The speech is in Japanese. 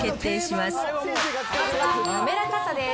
まずは滑らかさです。